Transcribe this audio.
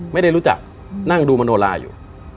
ไม่ได้รู้จักนั่งดูมโนลาอยู่